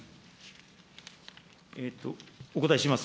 お答えします。